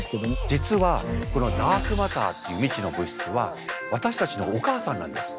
実はこのダークマターっていう未知の物質は私たちのお母さんなんです。